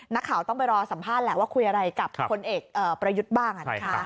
นักข่าวต้องไปรอสัมภาษณ์แหละว่าคุยอะไรกับพลเอกประยุทธ์บ้าง